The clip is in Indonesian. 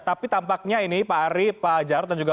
tapi tampaknya ini pak ari pak jarod dan juga